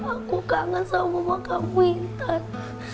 aku kangen sama mama kamu intan